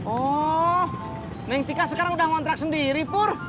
oh neng tika sekarang udah ngontrak sendiri pur